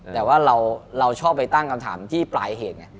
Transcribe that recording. แต่ว่าเราชอบไปตั้งคำถามที่ปลายเหตุไง